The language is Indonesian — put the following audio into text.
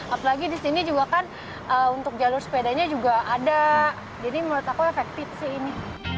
apalagi di sini juga kan untuk jalur sepedanya juga ada jadi menurut aku efektif sih ini